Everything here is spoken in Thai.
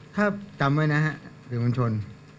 ถ้าจำไว้นะครับคุณผู้ชม